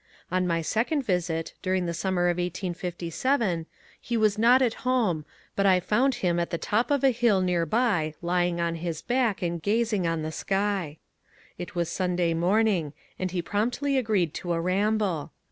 On my second visit, during the 218 MONCURE DANIEL CONWAY summer of 1857, he was not at home, but I found him at the top of a hill near by lying on his bach and gazing on the s^. It was Sunday morning, and he promptly agreed to a ramble.